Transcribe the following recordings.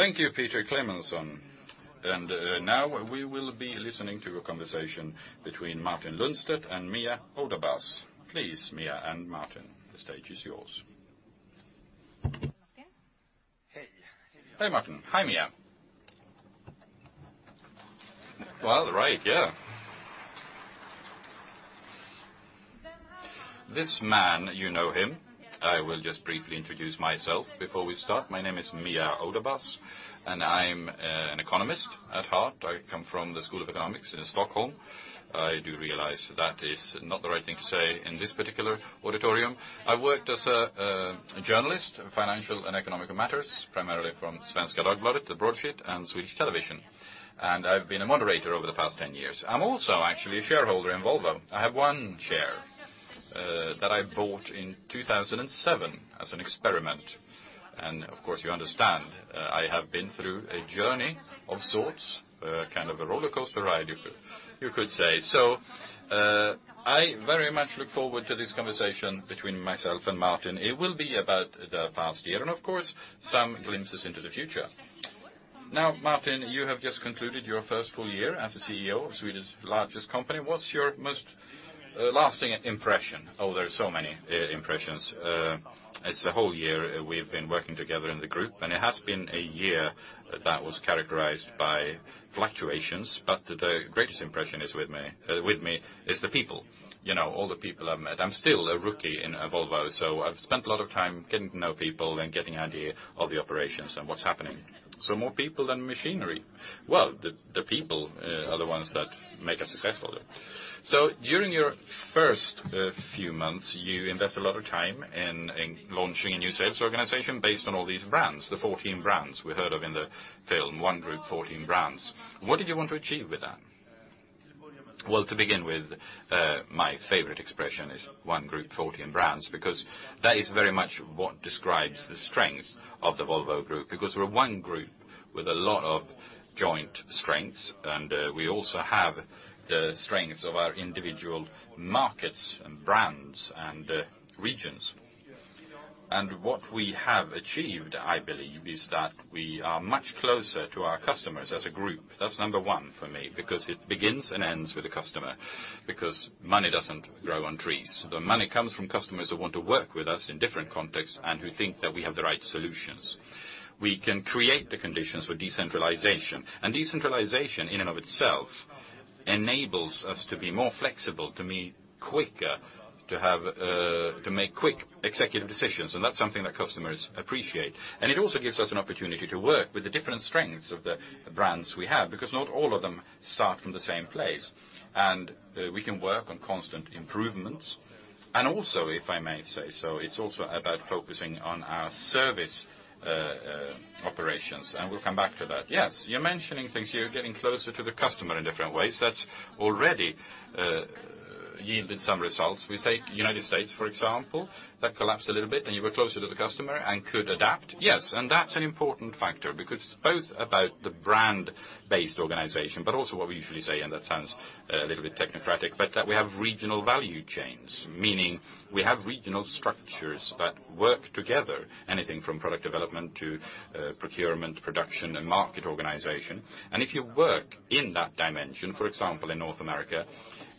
Thank you, Peter Clementsson. Now we will be listening to a conversation between Martin Lundstedt and Mia Ödenberg. Please, Mia and Martin, the stage is yours. Martin? Hey. Hey, Martin. Hi, Mia. Well, right, yeah. This man, you know him. I will just briefly introduce myself before we start. My name is Mia Ödenberg, and I'm an economist at heart. I come from the Stockholm School of Economics. I do realize that is not the right thing to say in this particular auditorium. I worked as a journalist, financial and economical matters, primarily from Svenska Dagbladet, the broadsheet, and Swedish television. I've been a moderator over the past 10 years. I'm also actually a shareholder in Volvo. I have one share that I bought in 2007 as an experiment, of course, you understand, I have been through a journey of sorts, kind of a roller coaster ride you could say. I very much look forward to this conversation between myself and Martin. It will be about the past year and, of course, some glimpses into the future. Martin, you have just concluded your first full year as a CEO of Sweden's largest company. What's your most lasting impression? Oh, there are so many impressions. It's a whole year we've been working together in the group, it has been a year that was characterized by fluctuations, but the greatest impression with me is the people. All the people I've met. I'm still a rookie in Volvo, I've spent a lot of time getting to know people and getting idea of the operations and what's happening. More people than machinery. Well, the people are the ones that make us successful. During your first few months, you invest a lot of time in launching a new sales organization based on all these brands, the 14 brands we heard of in the film, one group, 14 brands. What did you want to achieve with that? Well, to begin with, my favorite expression is one group, 14 brands, because that is very much what describes the strength of the Volvo Group. We're one group with a lot of joint strengths, we also have the strengths of our individual markets and brands and regions. What we have achieved, I believe, is that we are much closer to our customers as a group. That's number one for me, it begins and ends with the customer, money doesn't grow on trees. The money comes from customers who want to work with us in different contexts and who think that we have the right solutions. We can create the conditions for decentralization in and of itself enables us to be more flexible, to be quicker, to make quick executive decisions, and that's something that customers appreciate. It also gives us an opportunity to work with the different strengths of the brands we have, because not all of them start from the same place. We can work on constant improvements. Also, if I may say so, it's also about focusing on our service operations, and we'll come back to that. Yes. You're mentioning things here, getting closer to the customer in different ways. That's already yielded some results. We say U.S., for example, that collapsed a little bit, and you were closer to the customer and could adapt. Yes, that's an important factor because it's both about the brand-based organization, but also what we usually say, and that sounds a little bit technocratic, but that we have regional value chains, meaning we have regional structures that work together. Anything from product development to procurement, production, and market organization. If you work in that dimension, for example, in North America,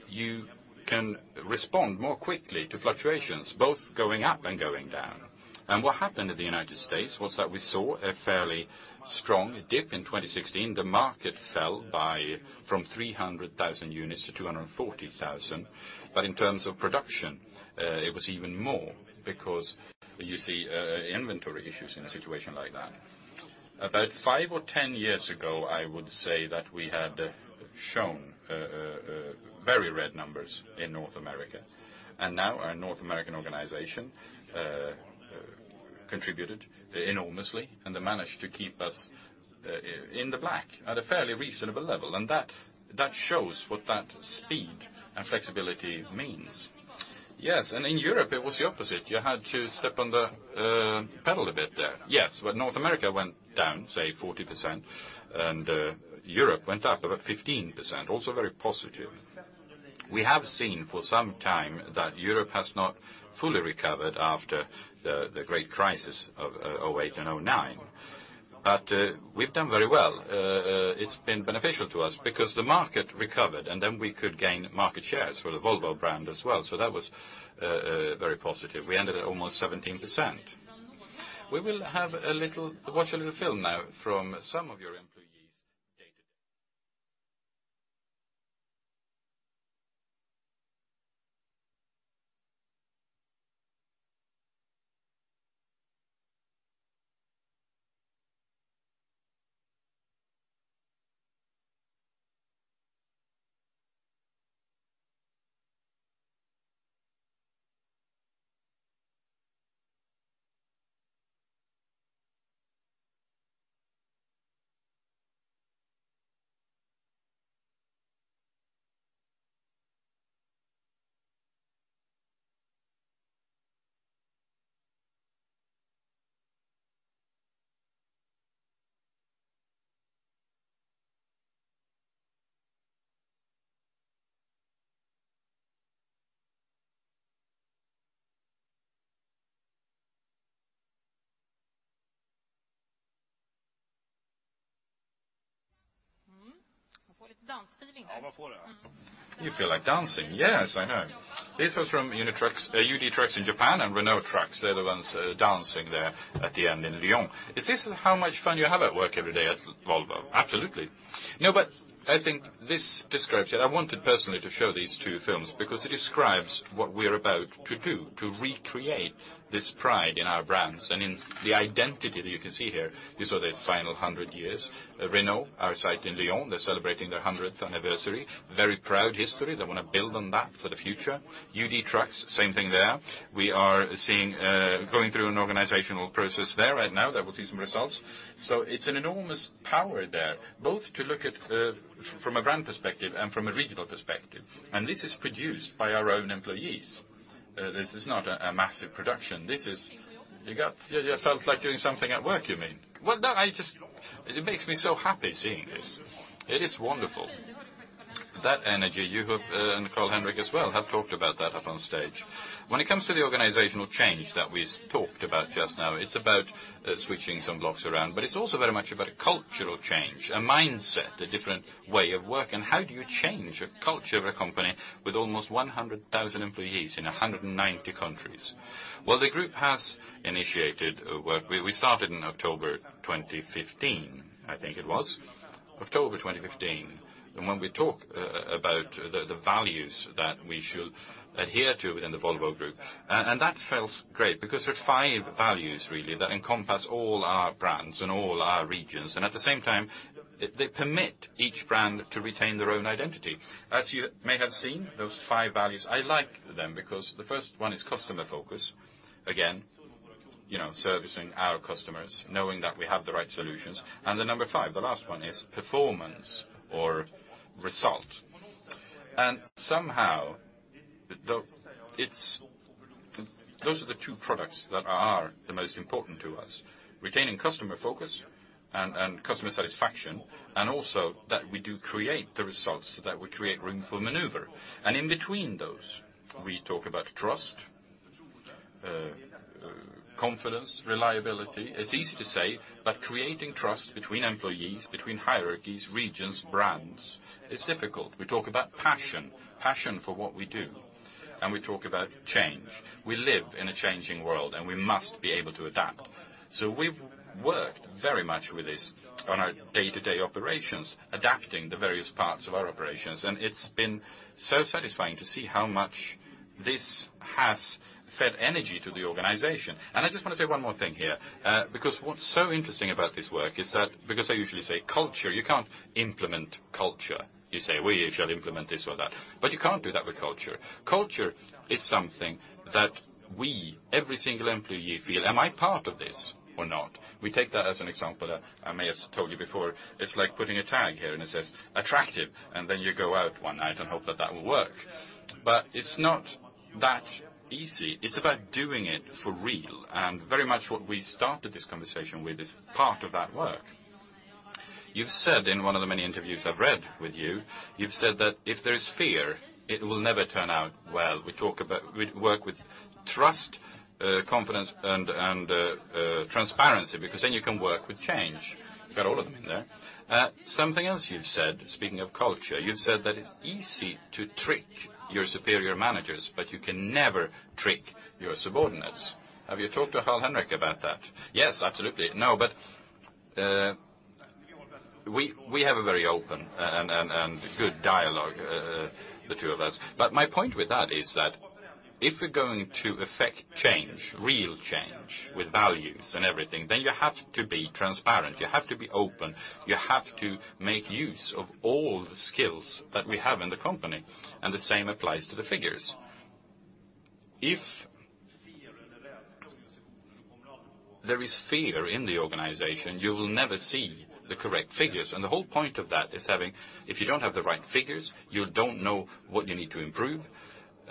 you can respond more quickly to fluctuations, both going up and going down. What happened in the U.S. was that we saw a fairly strong dip in 2016. The market fell by from 300,000 units to 240,000. In terms of production, it was even more because you see inventory issues in a situation like that. About 5 or 10 years ago, I would say that we had shown very red numbers in North America, and now our North American organization contributed enormously and managed to keep us in the black at a fairly reasonable level. That shows what that speed and flexibility means. Yes, in Europe it was the opposite. You had to step on the pedal a bit there. Yes. North America went down, say 40%, Europe went up about 15%, also very positive. We have seen for some time that Europe has not fully recovered after the great crisis of 2008 and 2009. We've done very well. It's been beneficial to us because the market recovered, and then we could gain market shares for the Volvo brand as well. That was very positive. We ended at almost 17%. We will watch a little film now from some of your employees day to day You feel like dancing. Yes, I know. This was from UD Trucks in Japan and Renault Trucks. They're the ones dancing there at the end in Lyon. Is this how much fun you have at work every day at Volvo? Absolutely. I think this describes it. I wanted personally to show these two films because it describes what we're about to do, to recreate this pride in our brands and in the identity that you can see here. These are the final 100 years. Renault, our site in Lyon, they're celebrating their 100th anniversary. Very proud history. They want to build on that for the future. UD Trucks, same thing there. We are going through an organizational process there right now that we'll see some results. It's an enormous power there, both to look at from a brand perspective and from a regional perspective. This is produced by our own employees. This is not a massive production. You felt like doing something at work, you mean? Well, no, it makes me so happy seeing this. It is wonderful. That energy, you have, and Carl-Henric as well, have talked about that up on stage. When it comes to the organizational change that we talked about just now, it's about switching some blocks around, but it's also very much about a cultural change, a mindset, a different way of work and how do you change a culture of a company with almost 100,000 employees in 190 countries. Well, the group has initiated work. We started in October 2015, I think it was. October 2015. When we talk about the values that we should adhere to in the Volvo Group. That feels great because there's five values really that encompass all our brands and all our regions, and at the same time, they permit each brand to retain their own identity. As you may have seen, those five values, I like them because the first one is customer focus. Again, servicing our customers, knowing that we have the right solutions. The number five, the last one, is performance or result. Somehow, those are the two products that are the most important to us, retaining customer focus and customer satisfaction, and also that we do create the results, that we create room for maneuver. In between those, we talk about trust, confidence, reliability. It's easy to say, but creating trust between employees, between hierarchies, regions, brands is difficult. We talk about passion. Passion for what we do. We talk about change. We live in a changing world, and we must be able to adapt. We've worked very much with this on our day-to-day operations, adapting the various parts of our operations, and it's been so satisfying to see how much this has fed energy to the organization. I just want to say one more thing here, because what's so interesting about this work is that because I usually say culture, you can't implement culture. You say, we shall implement this or that. You can't do that with culture. Culture is something that we, every single employee feel, am I part of this or not? We take that as an example that I may have told you before, it's like putting a tag here and it says, "Attractive," and then you go out one night and hope that that will work. It's not that easy. It's about doing it for real. Very much what we started this conversation with is part of that work. You've said in one of the many interviews I've read with you've said that if there's fear, it will never turn out well. We work with trust, confidence, and transparency because then you can work with change. You got all of them in there. Something else you've said, speaking of culture, you've said that it's easy to trick your superior managers, but you can never trick your subordinates. Have you talked to Carl-Henric about that? Yes, absolutely. We have a very open and good dialogue, the two of us. My point with that is that if you're going to effect change, real change with values and everything, then you have to be transparent. You have to be open. You have to make use of all the skills that we have in the company, and the same applies to the figures. If there is fear in the organization, you will never see the correct figures. The whole point of that is if you don't have the right figures, you don't know what you need to improve,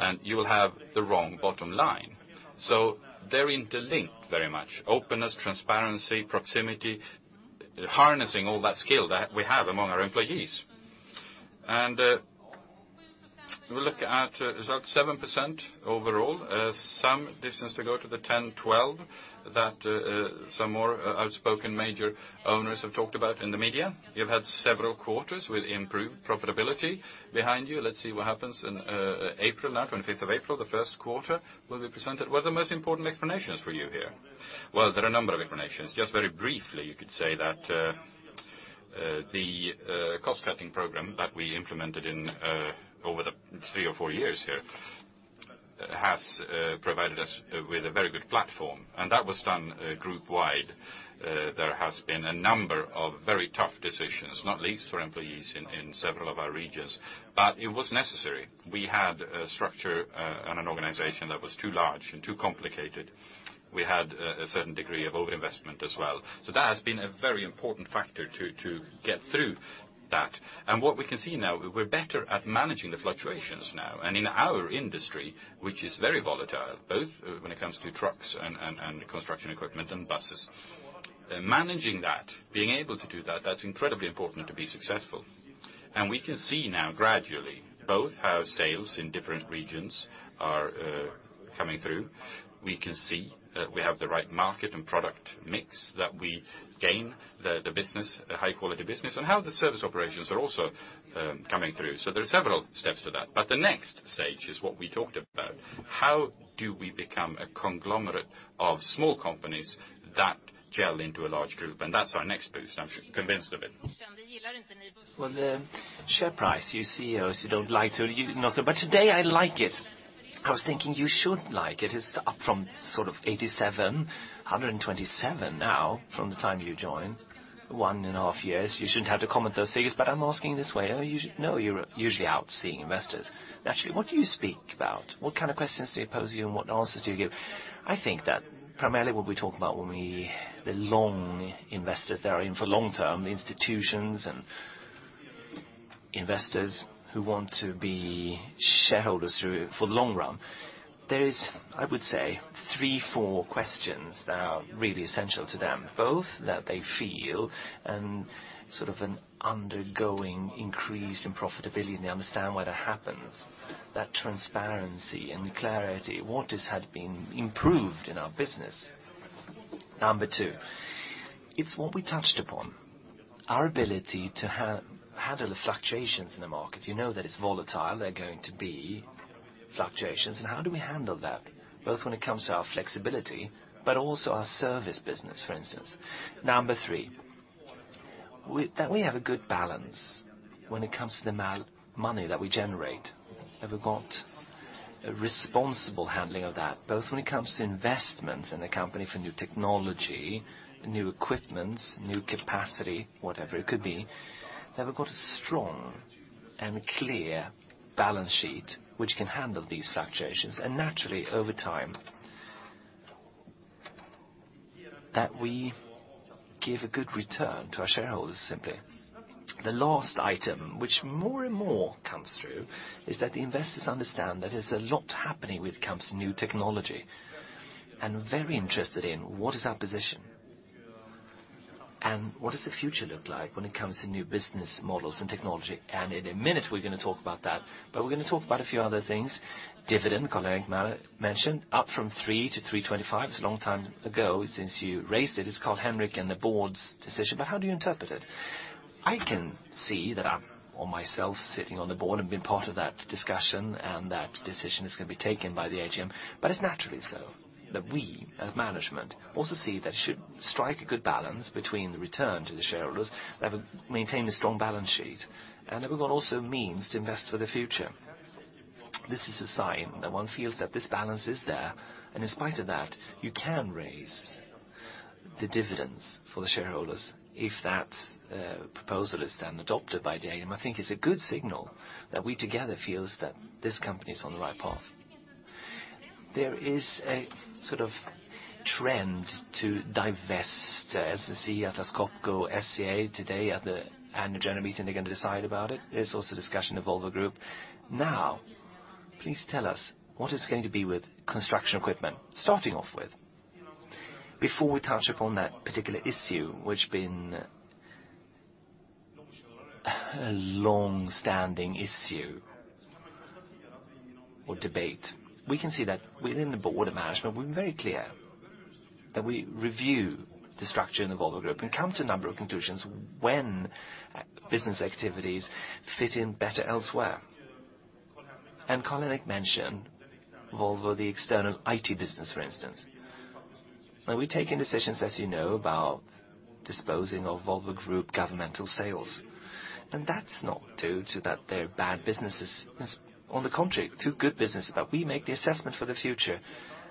and you will have the wrong bottom line. They're interlinked very much. Openness, transparency, proximity, harnessing all that skill that we have among our employees. We look at about 7% overall. Some distance to go to the 10, 12 that some more outspoken major owners have talked about in the media. You've had several quarters with improved profitability behind you. Let's see what happens in April now, 25th of April, the first quarter will be presented. What are the most important explanations for you here? There are a number of explanations. Very briefly, you could say that the cost-cutting program that we implemented over the three or four years here has provided us with a very good platform, and that was done group wide. There has been a number of very tough decisions, not least for employees in several of our regions, it was necessary. We had a structure and an organization that was too large and too complicated. We had a certain degree of over-investment as well. That has been a very important factor to get through that. What we can see now, we're better at managing the fluctuations now. In our industry, which is very volatile, both when it comes to trucks and construction equipment and buses, managing that, being able to do that's incredibly important to be successful. We can see now gradually both how sales in different regions are coming through. We can see that we have the right market and product mix, that we gain the high quality business, and how the service operations are also coming through. There are several steps to that. The next stage is what we talked about. How do we become a conglomerate of small companies that gel into a large group? That's our next boost, I'm convinced of it. The share price, you CEOs, you don't like to. Today I like it. I was thinking you should like it. It's up from 87, 127 now from the time you joined, one and a half years. You shouldn't have to comment those things, I'm asking this way. I know you're usually out seeing investors. Naturally, what do you speak about? What kind of questions do they pose you, and what answers do you give? I think that primarily what we talk about when the long investors that are in for long term, institutions and investors who want to be shareholders through for the long run. There is, I would say, three, four questions that are really essential to them, both that they feel and sort of an undergoing increase in profitability, and they understand why that happens, that transparency and clarity, what has had been improved in our business. Number 2, it's what we touched upon, our ability to handle the fluctuations in the market. You know that it's volatile, there are going to be fluctuations, and how do we handle that, both when it comes to our flexibility, but also our service business, for instance. Number 3, that we have a good balance when it comes to the money that we generate. Have we got a responsible handling of that, both when it comes to investments in the company for new technology, new equipment, new capacity, whatever it could be, that we've got a strong and clear balance sheet which can handle these fluctuations. Naturally, over time, that we give a good return to our shareholders, simply. The last item, which more and more comes through, is that the investors understand there is a lot happening when it comes to new technology, and very interested in what is our position, and what does the future look like when it comes to new business models and technology. In a minute, we're going to talk about that, but we're going to talk about a few other things. Dividend, Carl-Henric mentioned, up from 3 to 3.25. It's a long time ago since you raised it. It's Carl-Henric and the board's decision, but how do you interpret it? I can say that I'm myself sitting on the board and been part of that discussion. That decision is going to be taken by the AGM, but it's naturally so that we, as management, also see that should strike a good balance between the return to the shareholders, maintain a strong balance sheet, and that we've got also means to invest for the future. This is a sign that one feels that this balance is there, and in spite of that, you can raise the dividends for the shareholders if that proposal is then adopted by the AGM. I think it's a good signal that we together feel that this company is on the right path. There is a sort of trend to divest, as we see at Essity SCA today at the Annual General Meeting, they're going to decide about it. There's also discussion of Volvo Group. Please tell us what is going to be with Construction Equipment, starting off with. Before we touch upon that particular issue, which been a long-standing issue or debate. We can see that within the board of management, we've been very clear that we review the structure in the Volvo Group and come to a number of conclusions when business activities fit in better elsewhere. Carl-Henric mentioned Volvo, the external IT business, for instance. We've taken decisions, as you know, about disposing of Volvo Group Governmental Sales. That's not due to that they're bad businesses. On the contrary, two good businesses, but we make the assessment for the future.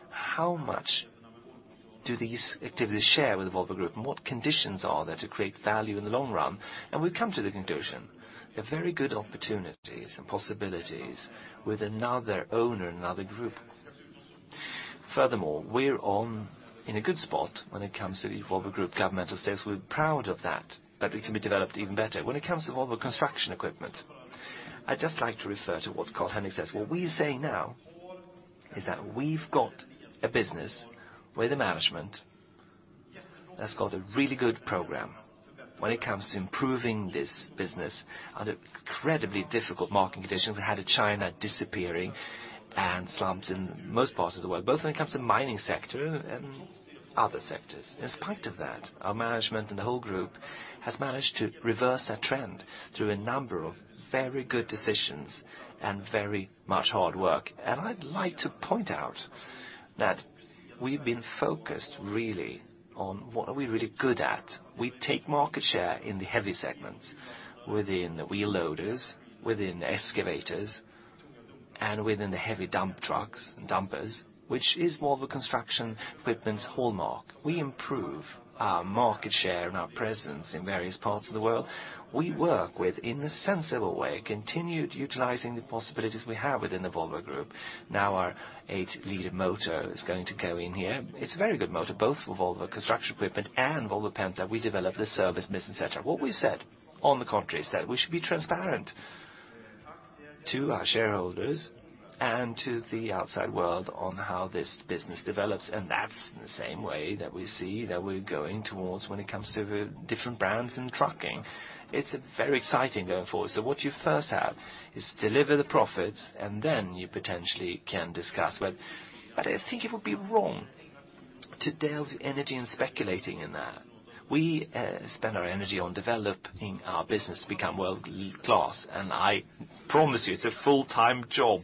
How much do these activities share with Volvo Group, and what conditions are there to create value in the long run? We've come to the conclusion there are very good opportunities and possibilities with another owner, another group. Furthermore, we're in a good spot when it comes to the Volvo Group Governmental Sales. We're proud of that, but it can be developed even better. When it comes to Volvo Construction Equipment, I'd just like to refer to what Carl-Henric says. What we say now is that we've got a business with a management that's got a really good program when it comes to improving this business under incredibly difficult market conditions. We had China disappearing and slumps in most parts of the world, both when it comes to mining sector and other sectors. In spite of that, our management and the whole group has managed to reverse that trend through a number of very good decisions and very much hard work. I'd like to point out that we've been focused really on what are we really good at. We take market share in the heavy segments, within the wheel loaders, within the excavators, and within the heavy dump trucks, dumpers, which is more of a Construction Equipment's hallmark. We improve our market share and our presence in various parts of the world. We work with, in a sensible way, continued utilizing the possibilities we have within the Volvo Group. Now our eight-liter motor is going to go in here. It's a very good motor, both for Volvo Construction Equipment and Volvo Penta. We develop the service business, et cetera. What we said, on the contrary, is that we should be transparent to our shareholders and to the outside world on how this business develops, and that's in the same way that we see that we're going towards when it comes to the different brands and trucking. It's very exciting going forward. What you first have is deliver the profits, and then you potentially can discuss. I think it would be wrong to delve energy in speculating in that. We spend our energy on developing our business to become world-leading class, and I promise you, it's a full-time job.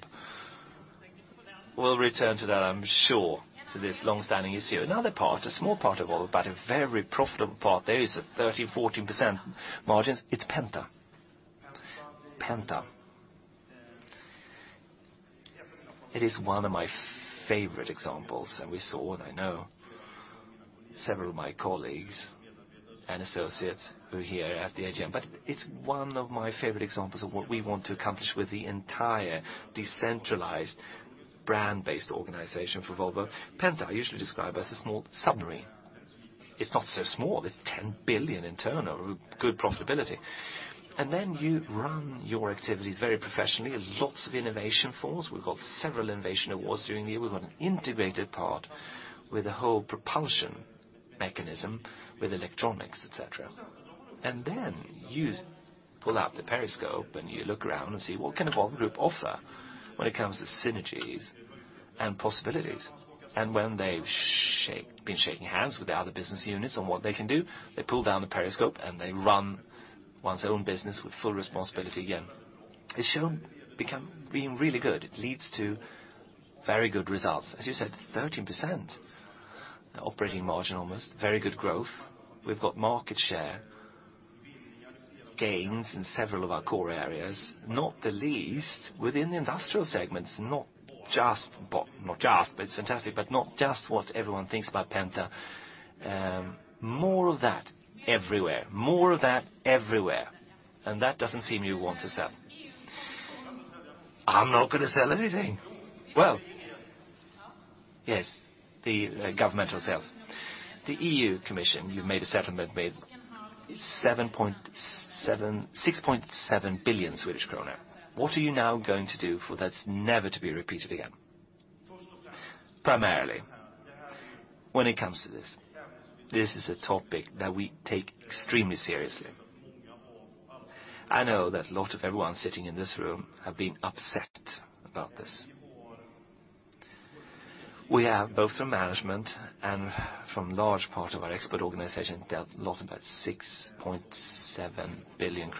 We'll return to that, I'm sure, to this long-standing issue. Another part, a small part of all, but a very profitable part, there is a 13%-14% margins. It's Penta. Penta. It is one of my favorite examples, we saw, and I know several of my colleagues and associates who are here at the AGM, it's one of my favorite examples of what we want to accomplish with the entire decentralized brand-based organization for Volvo. Penta, I usually describe as a small submarine. It's not so small. There's 10 billion in turnover, good profitability. Then you run your activities very professionally. Lots of innovation for us. We've got several innovation awards during the year. We've got an integrated part with the whole propulsion mechanism, with electronics, et cetera. Then you pull out the periscope, and you look around and see what can a Volvo Group offer when it comes to synergies and possibilities. When they've been shaking hands with the other business units on what they can do, they pull down the periscope, and they run one's own business with full responsibility again. It's shown being really good. It leads to very good results. As you said, 13% operating margin almost, very good growth. We've got market share gains in several of our core areas, not the least within the industrial segments. Not just, but it's fantastic, but not just what everyone thinks about Penta. More of that everywhere. More of that everywhere. That doesn't seem you want to sell. I'm not going to sell anything. Well, yes, the governmental sales. The EU Commission, you've made a settlement, made 6.7 billion Swedish krona. What are you now going to do for that's never to be repeated again? Primarily, when it comes to this is a topic that we take extremely seriously. I know that lot of everyone sitting in this room have been upset about this. We have, both from management and from large part of our expert organization, dealt lot about SEK 6.7 billion.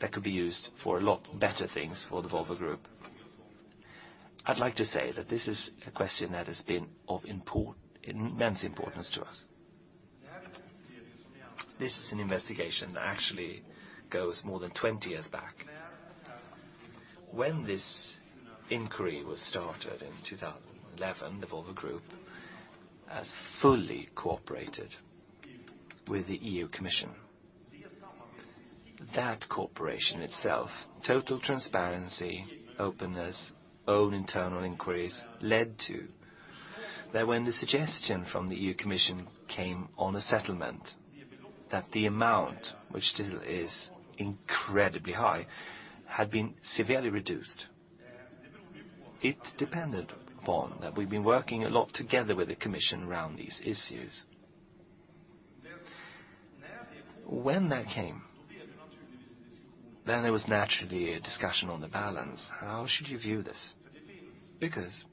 That could be used for a lot better things for the Volvo Group. I'd like to say that this is a question that has been of immense importance to us. This is an investigation that actually goes more than 20 years back. When this inquiry was started in 2011, the Volvo Group has fully cooperated with the EU Commission. That cooperation itself, total transparency, openness, own internal inquiries, led to that when the suggestion from the EU Commission came on a settlement that the amount, which still is incredibly high, had been severely reduced. It depended upon that we've been working a lot together with the commission around these issues. When that came, there was naturally a discussion on the balance. How should you view this? Because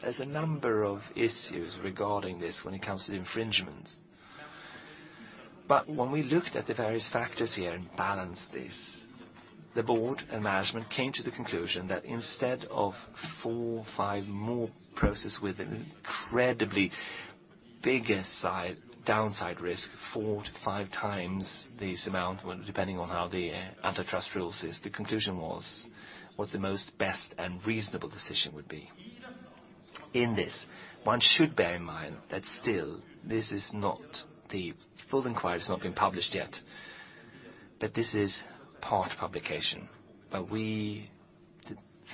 there's a number of issues regarding this when it comes to the infringement. When we looked at the various factors here and balanced this, the board and management came to the conclusion that instead of four, five more process with an incredibly bigger downside risk, four to five times this amount, depending on how the antitrust rules is, the conclusion was what's the most best and reasonable decision would be. In this, one should bear in mind that still this is not the full inquiry has not been published yet. That this is part publication. We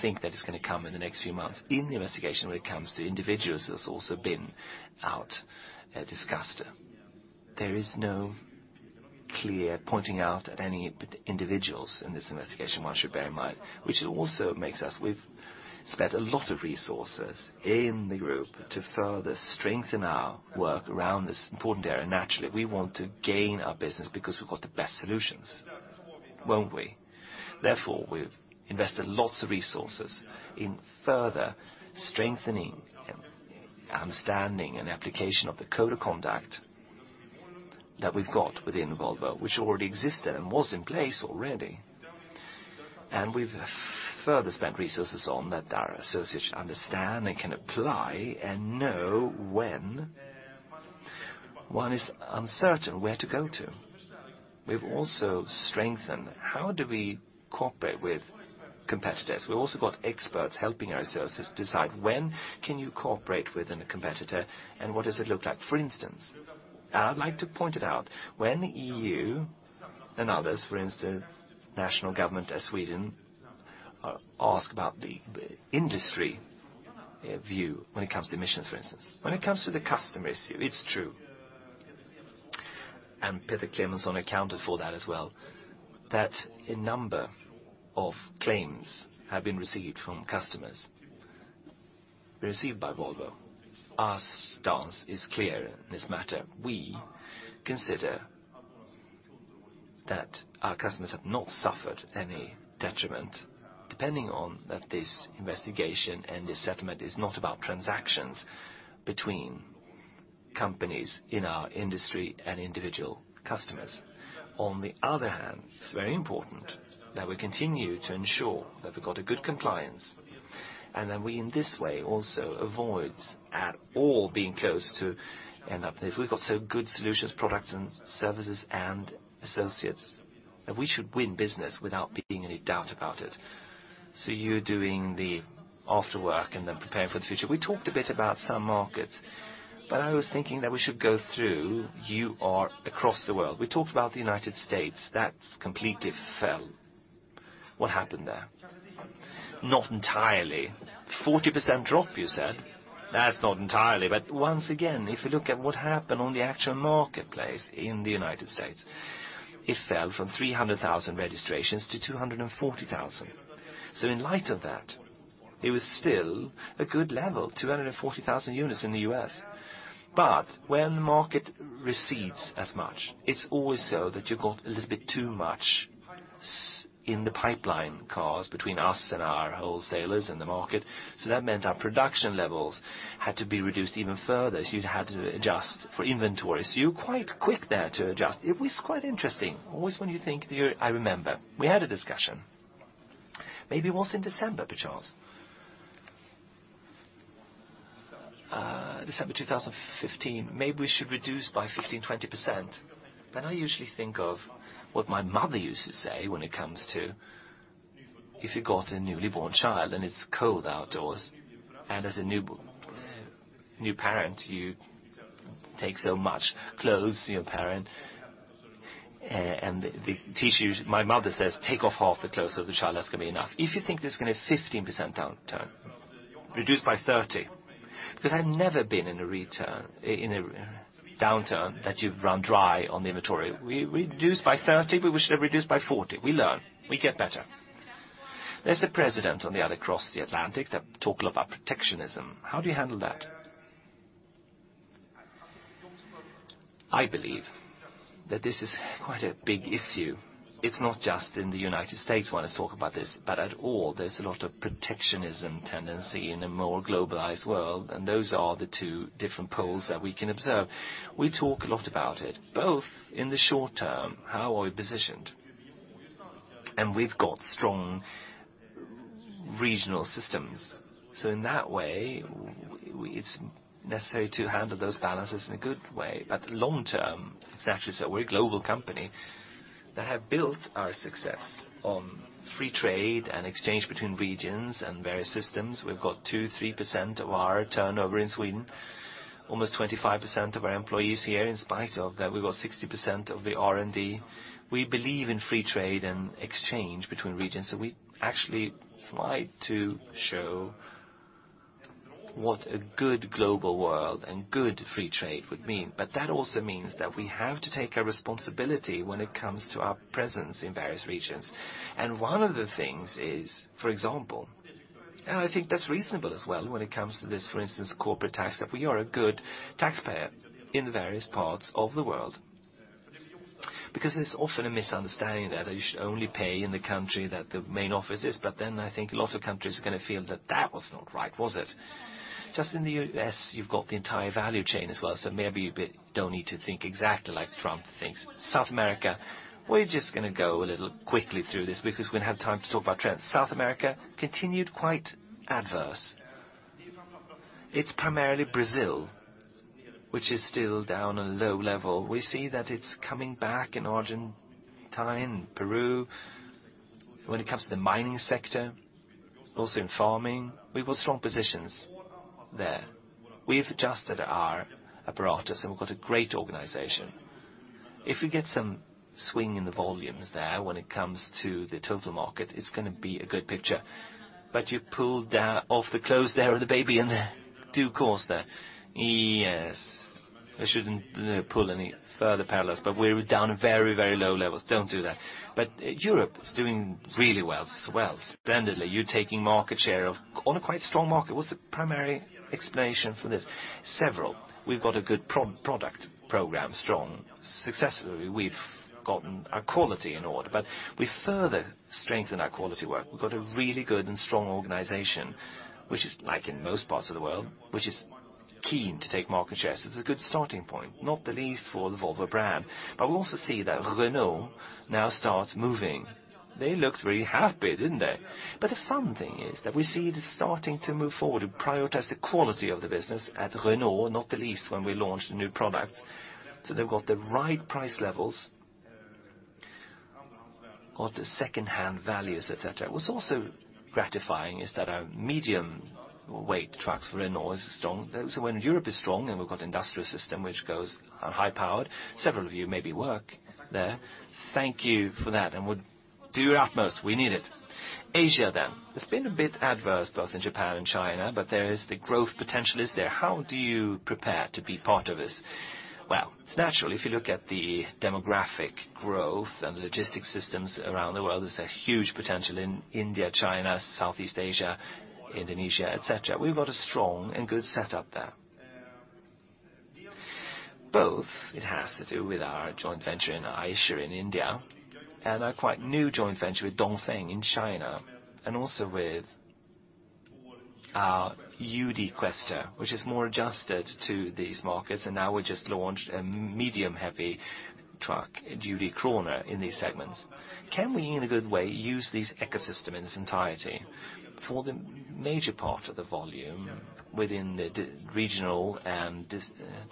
think that it's going to come in the next few months. In the investigation, when it comes to individuals, that's also been out discussed. There is no clear pointing out at any individuals in this investigation, one should bear in mind. We've spent a lot of resources in the group to further strengthen our work around this important area. Naturally, we want to gain our business because we've got the best solutions, won't we? Therefore, we've invested lots of resources in further strengthening and understanding and application of the Code of Conduct that we've got within Volvo, which already existed and was in place already. We've further spent resources on that our associates should understand and can apply and know when one is uncertain where to go to. We've also strengthened how do we cooperate with competitors. We've also got experts helping our associates decide when can you cooperate within a competitor, and what does it look like? For instance, I'd like to point it out, when E.U. and others, for instance, national government as Sweden, ask about the industry view when it comes to emissions, for instance. When it comes to the customer issue, it's true, and Peter Clementsson accounted for that as well, that a number of claims have been received from customers, received by Volvo. Our stance is clear in this matter. We consider that our customers have not suffered any detriment depending on that this investigation and this settlement is not about transactions between companies in our industry and individual customers. It's very important that we continue to ensure that we've got a good compliance, and that we, in this way, also avoid at all being close to end up with. We've got so good solutions, products, and services, and associates that we should win business without being any doubt about it. You're doing the after work and then preparing for the future. We talked a bit about some markets, but I was thinking that we should go through. You are across the world. We talked about the United States. That completely fell. What happened there? Not entirely. 40% drop you said. That's not entirely. Once again, if you look at what happened on the actual marketplace in the United States, it fell from 300,000 registrations to 240,000. In light of that, it was still a good level, 240,000 units in the U.S. When the market recedes as much, it's always so that you got a little bit too much in the pipeline cars between us and our wholesalers in the market. That meant our production levels had to be reduced even further. You'd had to adjust for inventory. You're quite quick there to adjust. It was quite interesting. Always when you think, I remember we had a discussion, maybe it was in December, perchance. December 2015. Maybe we should reduce by 15%, 20%. I usually think of what my mother used to say when it comes to if you got a newly born child, and it's cold outdoors, and as a new parent, you take so much clothes, you're a parent. They teach you. My mother says, "Take off half the clothes of the child. That's going to be enough." If you think there's going to be 15% downturn, reduce by 30 because I've never been in a downturn that you've run dry on the inventory. We reduced by 30, but we should have reduced by 40. We learn. We get better. There's a President on the other across the Atlantic that talk a lot about protectionism. How do you handle that? I believe that this is quite a big issue. It's not just in the United States one is talking about this, but at all, there's a lot of protectionism tendency in a more globalized world, and those are the two different poles that we can observe. We talk a lot about it, both in the short term, how are we positioned? We've got strong regional systems. In that way, it's necessary to handle those balances in a good way. Long term, it's actually that we're a global company that have built our success on free trade and exchange between regions and various systems. We've got 2-3% of our turnover in Sweden, almost 25% of our employees here. In spite of that, we've got 60% of the R&D. We actually try to show what a good global world and good free trade would mean. That also means that we have to take a responsibility when it comes to our presence in various regions. One of the things is, for example, and I think that's reasonable as well when it comes to this, for instance, corporate tax, that we are a good taxpayer in various parts of the world. There's often a misunderstanding there that you should only pay in the country that the main office is. I think a lot of countries are going to feel that that was not right, was it? Just in the U.S., you've got the entire value chain as well. Maybe you don't need to think exactly like Trump thinks. South America, we're just going to go a little quickly through this because we have time to talk about trends. South America continued quite adverse. It's primarily Brazil, which is still down a low level. We see that it's coming back in Argentina and Peru. When it comes to the mining sector, also in farming, we've got strong positions there. We've adjusted our apparatus, and we've got a great organization. If we get some swing in the volumes there when it comes to the total market, it's going to be a good picture. You pulled off the clothes there of the baby in due course there. Yes. I shouldn't pull any further parallels. We're down very low levels. Don't do that. Europe is doing really well, splendidly. You're taking market share on a quite strong market. What's the primary explanation for this? Several. We've got a good product program strong. Successfully, we've gotten our quality in order. We further strengthened our quality work. We've got a really good and strong organization, which is like in most parts of the world, which is keen to take market shares. It's a good starting point, not the least for the Volvo brand. We also see that Renault now starts moving. They looked very happy, didn't they? The fun thing is that we see they're starting to move forward and prioritize the quality of the business at Renault, not the least when we launched a new product. They've got the right price levels, got the secondhand values, et cetera. What's also gratifying is that our medium weight trucks for Renault is strong. When Europe is strong and we've got industrial system, which goes on high-powered, several of you maybe work there. Thank you for that. Do your utmost. We need it. Asia. It's been a bit adverse, both in Japan and China, but the growth potential is there. How do you prepare to be part of this? Well, it's natural if you look at the demographic growth and the logistics systems around the world, there's a huge potential in India, China, Southeast Asia, Indonesia, et cetera. We've got a strong and good setup there. Both, it has to do with our joint venture in Eicher in India, and our quite new joint venture with Dongfeng in China, and also with our UD Quester, which is more adjusted to these markets. Now we just launched a medium-heavy truck, UD Quon in these segments. Can we, in a good way, use this ecosystem in its entirety? For the major part of the volume within the regional and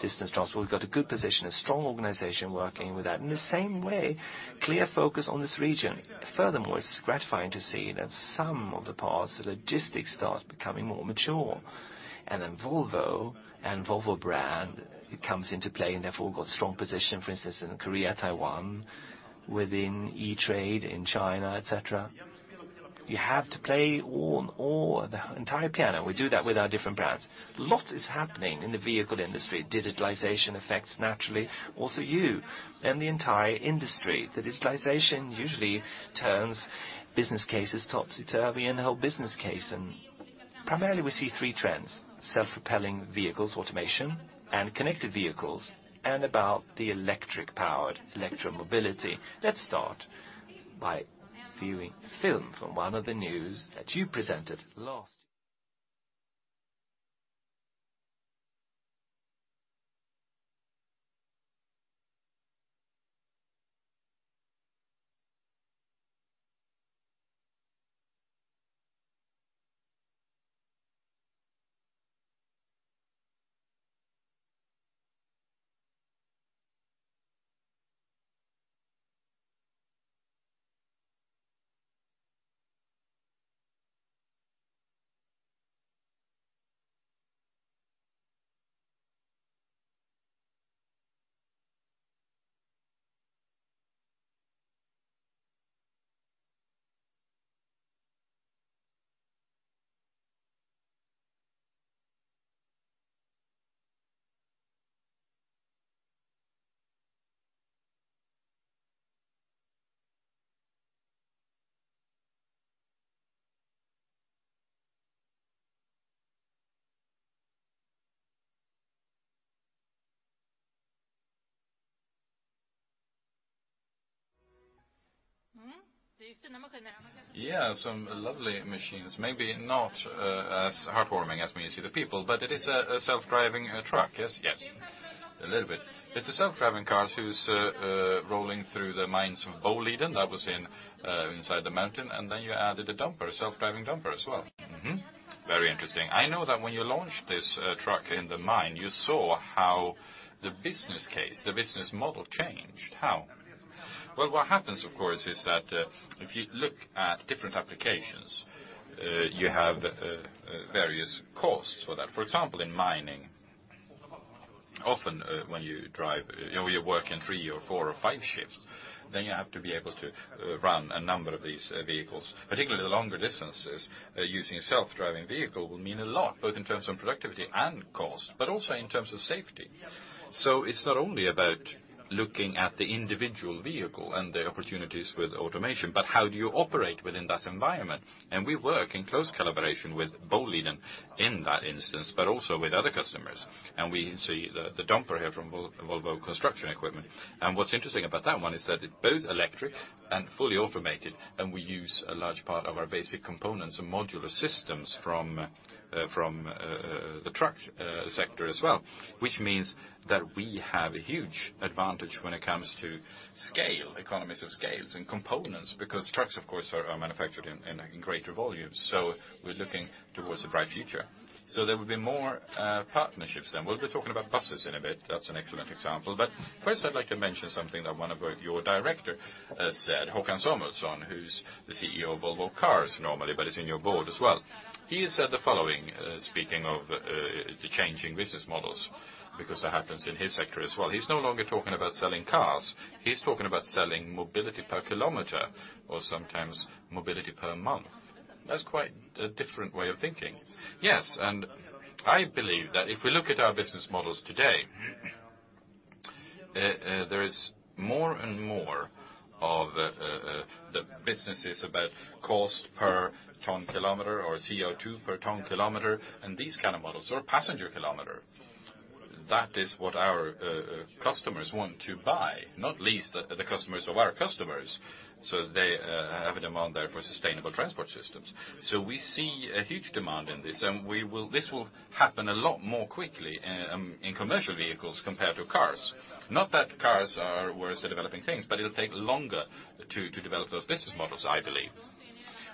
distance transport, we've got a good position, a strong organization working with that. In the same way, clear focus on this region. Furthermore, it's gratifying to see that some of the parts of logistics starts becoming more mature. Then Volvo and Volvo brand comes into play and therefore got strong position, for instance, in Korea, Taiwan, within e-trade in China, et cetera. You have to play all the entire piano. We do that with our different brands. A lot is happening in the vehicle industry. Digitalization affects naturally also you and the entire industry. The digitalization usually turns business cases topsy-turvy and the whole business case. Primarily we see three trends: self-propelling vehicles, automation, and connected vehicles, and about the electric-powered electromobility. Let's start by viewing a film from one of the news that you presented last year. Yeah, some lovely machines. Maybe not as heartwarming as when you see the people, but it is a self-driving truck. Yes? Yes. A little bit. It's a self-driving car who's rolling through the mines of Boliden that was inside the mountain, and then you added a self-driving dumper as well. Very interesting. I know that when you launched this truck in the mine, you saw how the business case, the business model changed. How? Well, what happens, of course, is that if you look at different applications, you have various costs for that. For example, in mining, often when you work in three or four or five shifts, then you have to be able to run a number of these vehicles. Particularly the longer distances, using a self-driving vehicle will mean a lot, both in terms of productivity and cost, but also in terms of safety. It's not only about looking at the individual vehicle and the opportunities with automation, but how do you operate within that environment? We work in close collaboration with Boliden in that instance, but also with other customers. We see the dumper here from Volvo Construction Equipment. What's interesting about that one is that it's both electric and fully automated, and we use a large part of our basic components and modular systems from the truck sector as well, which means that we have a huge advantage when it comes to scale, economies of scales and components, because trucks, of course, are manufactured in greater volumes. We're looking towards a bright future. There will be more partnerships then. We'll be talking about buses in a bit. That's an excellent example. First, I'd like to mention something that one of your director said, Håkan Samuelsson, who's the CEO of Volvo Cars normally, but is in your board as well. He said the following, speaking of the changing business models, because that happens in his sector as well. He's no longer talking about selling cars. He's talking about selling mobility per kilometer or sometimes mobility per month. That's quite a different way of thinking. Yes. I believe that if we look at our business models today, there is more and more of the businesses about cost per ton kilometer or CO2 per ton kilometer and these kind of models or passenger kilometer. That is what our customers want to buy, not least the customers of our customers. They have a demand there for sustainable transport systems. We see a huge demand in this, and this will happen a lot more quickly in commercial vehicles compared to cars. Not that cars are worse at developing things, but it'll take longer to develop those business models, I believe.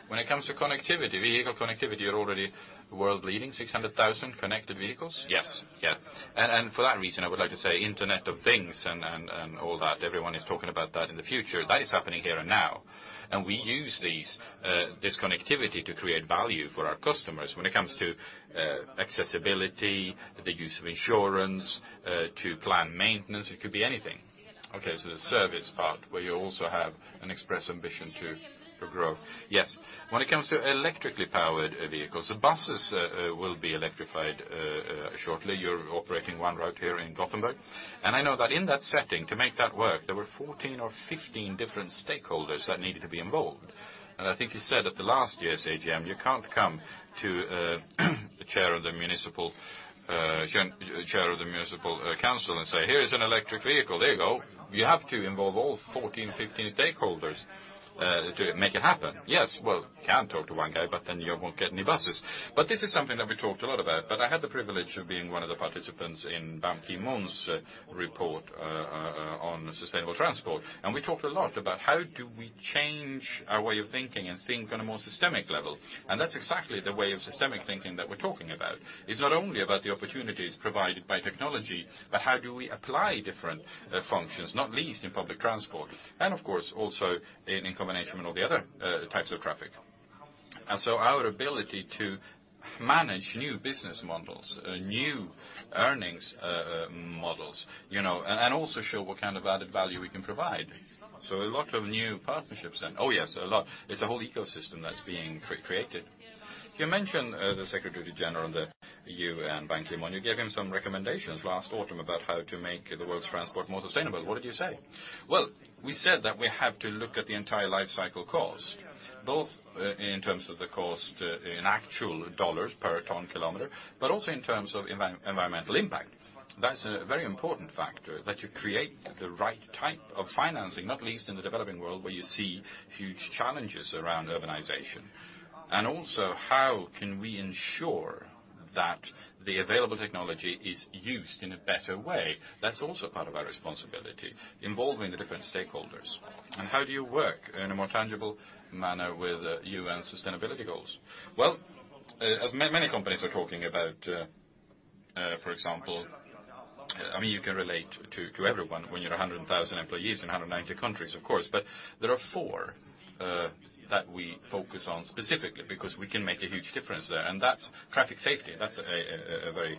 When it comes to connectivity, vehicle connectivity, you're already world-leading 600,000 connected vehicles? Yes. And for that reason, I would like to say Internet of Things and all that, everyone is talking about that in the future, that is happening here and now. And we use this connectivity to create value for our customers when it comes to accessibility, the use of insurance, to plan maintenance, it could be anything. Okay, so the service part where you also have an express ambition to grow. When it comes to electrically powered vehicles, the buses will be electrified shortly. You're operating one route here in Gothenburg, and I know that in that setting to make that work, there were 14 or 15 different stakeholders that needed to be involved. And I think you said at last year's AGM, you can't come to the chair of the municipal council and say, "Here is an electric vehicle. There you go." You have to involve all 14, 15 stakeholders to make it happen. Well, you can talk to one guy, but then you won't get any buses. But this is something that we talked a lot about, but I had the privilege of being one of the participants in Ban Ki-moon's report on sustainable transport. And we talked a lot about how do we change our way of thinking and think on a more systemic level, and that's exactly the way of systemic thinking that we're talking about. It's not only about the opportunities provided by technology, but how do we apply different functions, not least in public transport, and of course, also in combination with all the other types of traffic. And so our ability to manage new business models, new earnings models, and also show what kind of added value we can provide. A lot of new partnerships then. Yes, a lot. It's a whole ecosystem that's being created. You mentioned the Secretary-General of the UN, Ban Ki-moon. You gave him some recommendations last autumn about how to make the world's transport more sustainable. What did you say? Well, we said that we have to look at the entire life cycle cost, both in terms of the cost in actual $ per ton kilometer, but also in terms of environmental impact. That's a very important factor that you create the right type of financing, not least in the developing world, where you see huge challenges around urbanization. And also how can we ensure that the available technology is used in a better way? That's also part of our responsibility, involving the different stakeholders. And how do you work in a more tangible manner with UN sustainability goals? As many companies are talking about, for example, you can relate to everyone when you're 100,000 employees in 190 countries, of course. But there are four that we focus on specifically because we can make a huge difference there, and that's traffic safety. That's a very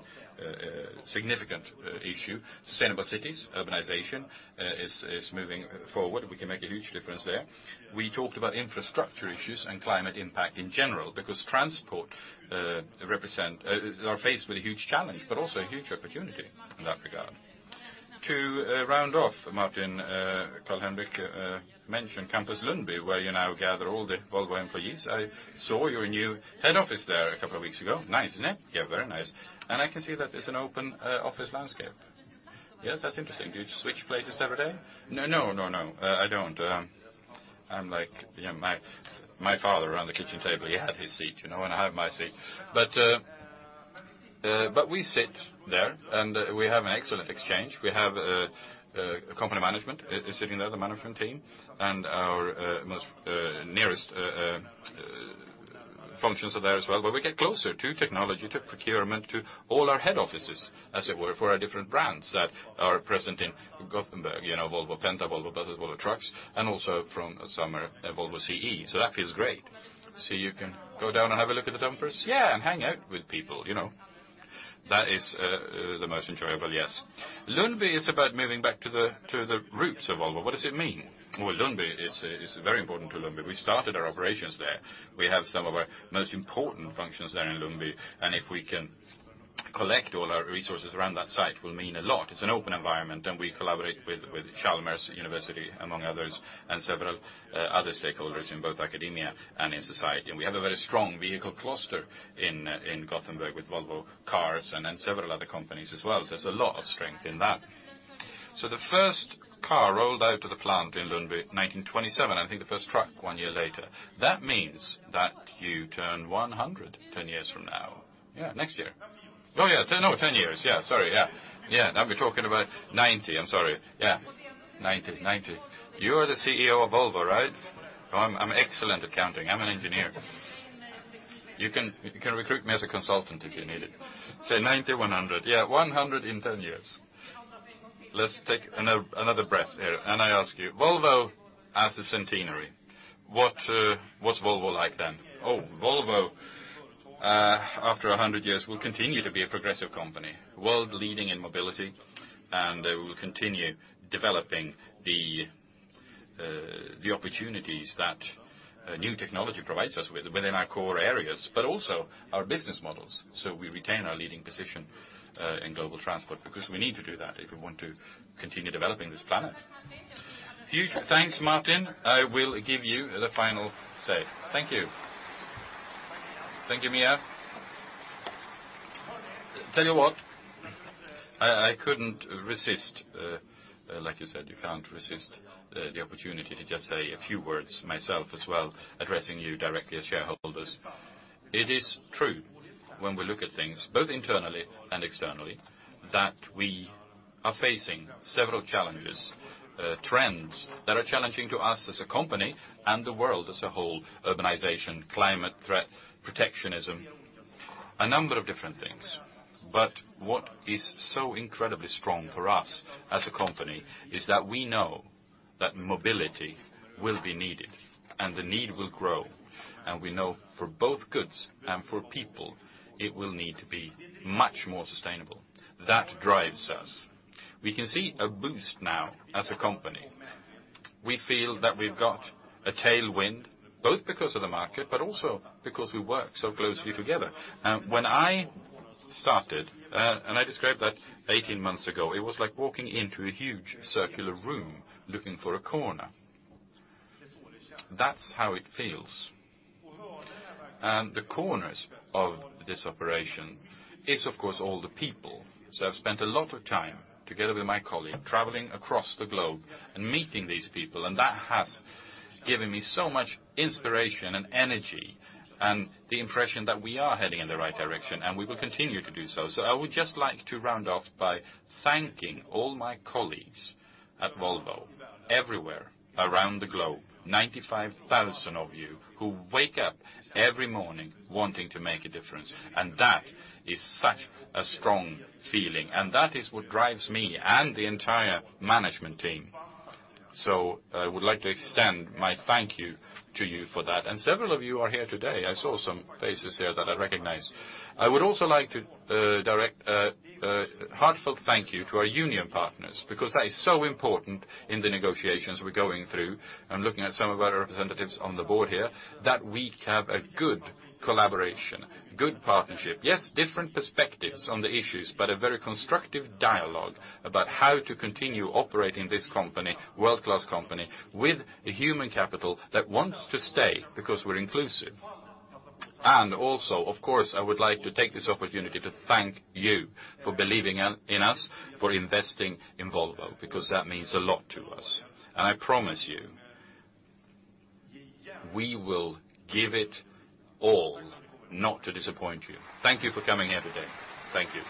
significant issue. Sustainable cities, urbanization is moving forward. We can make a huge difference there. We talked about infrastructure issues and climate impact in general because transport are faced with a huge challenge, but also a huge opportunity in that regard. To round off, Martin, Carl-Henric mentioned Campus Lundby, where you now gather all the Volvo employees. I saw your new head office there a couple of weeks ago. Nice, isn't it? Very nice. And I can see that there's an open office landscape. That's interesting. Do you switch places every day? No, I don't. I'm like my father around the kitchen table. He had his seat, and I have my seat. We sit there, and we have an excellent exchange. We have company management is sitting there, the management team, and our most nearest functions are there as well, where we get closer to technology, to procurement, to all our head offices, as it were, for our different brands that are present in Gothenburg, Volvo Penta, Volvo Buses, Volvo Trucks, and also from summer Volvo CE. That feels great. You can go down and have a look at the dumpers? Yeah, and hang out with people. That is the most enjoyable, yes. Lundby is about moving back to the roots of Volvo. What does it mean? Well, Lundby, it's very important to Lundby. We started our operations there. We have some of our most important functions there in Lundby, and if we can collect all our resources around that site, will mean a lot. It's an open environment, and we collaborate with Chalmers University, among others, and several other stakeholders in both academia and in society. We have a very strong vehicle cluster in Gothenburg with Volvo Cars and several other companies as well. There's a lot of strength in that. The first car rolled out of the plant in Lundby 1927, I think the first truck one year later. That means that you turn 100 10 years from now. Yeah, next year. Oh, yeah. No, 10 years. Yeah. Sorry. Yeah. Now we're talking about 90. I'm sorry. Yeah. 90. 90. You are the CEO of Volvo, right? I'm excellent at counting. I'm an engineer. You can recruit me as a consultant if you need it. Say 90, 100. Yeah, 100 in 10 years. Let's take another breath here, and I ask you, Volvo as a centenary, what's Volvo like then? Oh, Volvo, after 100 years, will continue to be a progressive company, world leading in mobility, and we will continue developing the opportunities that new technology provides us with within our core areas, but also our business models. We retain our leading position in global transport because we need to do that if we want to continue developing this planet. Huge thanks, Martin. I will give you the final say. Thank you. Thank you, Mia. Tell you what, I couldn't resist, like you said, you can't resist the opportunity to just say a few words myself as well, addressing you directly as shareholders. It is true when we look at things both internally and externally, that we are facing several challenges, trends that are challenging to us as a company and the world as a whole: urbanization, climate threat, protectionism, a number of different things. What is so incredibly strong for us as a company is that we know that mobility will be needed, and the need will grow. We know for both goods and for people, it will need to be much more sustainable. That drives us. We can see a boost now as a company. We feel that we've got a tailwind, both because of the market, but also because we work so closely together. When I started, and I describe that 18 months ago, it was like walking into a huge circular room looking for a corner. That's how it feels. The corners of this operation is, of course, all the people. I've spent a lot of time together with my colleague, traveling across the globe and meeting these people, and that has given me so much inspiration and energy, and the impression that we are heading in the right direction, and we will continue to do so. I would just like to round off by thanking all my colleagues at Volvo everywhere around the globe. 95,000 of you who wake up every morning wanting to make a difference. That is such a strong feeling. That is what drives me and the entire management team. I would like to extend my thank you to you for that. Several of you are here today. I saw some faces here that I recognize. I would also like to direct a heartfelt thank you to our union partners, because that is so important in the negotiations we're going through. I'm looking at some of our representatives on the board here, that we have a good collaboration, good partnership. Yes, different perspectives on the issues, but a very constructive dialogue about how to continue operating this company, world-class company, with a human capital that wants to stay because we're inclusive. Also, of course, I would like to take this opportunity to thank you for believing in us, for investing in Volvo, because that means a lot to us. I promise you, we will give it all not to disappoint you. Thank you for coming here today. Thank you.